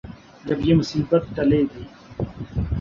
جب یہ مصیبت ٹلے گی۔